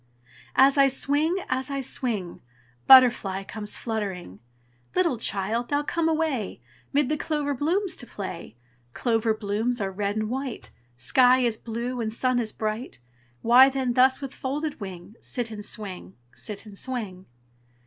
As I swing, as I swing, Butterfly comes fluttering, "Little child, now come away 'Mid the clover blooms to play; Clover blooms are red and white, Sky is blue and sun is bright. Why then thus, with folded wing, Sit and swing, sit and swing?"